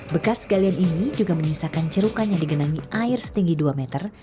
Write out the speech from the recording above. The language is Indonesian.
bekas galian ini juga menyisakan cerukan yang digenangi air setinggi dua meter